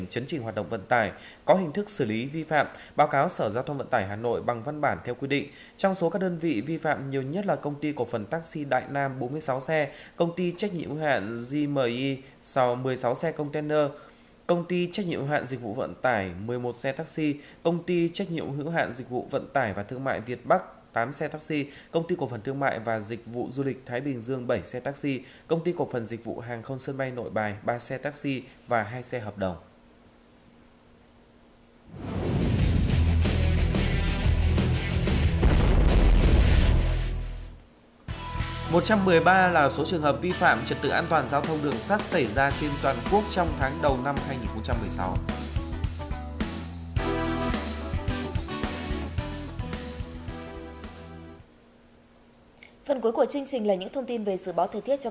các đơn vị vi phạm trật tự an toàn giao thông đường xảy ra trên toàn quốc